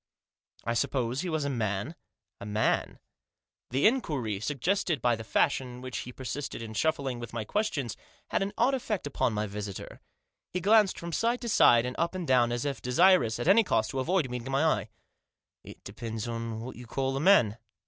" I suppose he was a man ?"" A man ?" The inquiry, suggested by the fashion in which he persisted in shuffling with my questions, had an odd effect upon my visitor. He glanced from side to side, and up and down, as if desirous, at any cost, to avoid meeting my eye. " It depends on what you call a man."